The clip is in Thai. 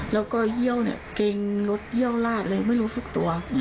แล้วก็เยี่ยวเนี่ยเกงลุดเยี่ยวราดอะไรไม่รู้สุขตัว